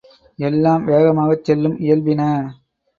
எல்லாம் வேகமாகச் செல்லும் இயல்பின.